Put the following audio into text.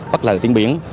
bắt lời thiên biển